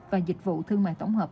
và dịch vụ thương mại tổng hợp